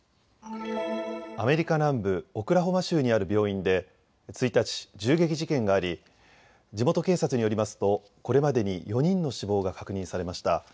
アメリカ南部オクラホマ州にある病院で１日、銃撃事件があり地元警察によりますとこれまでに４人の死亡が確認されました。